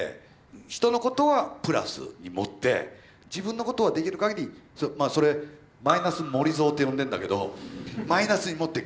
人のことはプラスに盛って自分のことはできるかぎりまあそれ「マイナス盛蔵」って呼んでんだけどマイナスに盛っていく。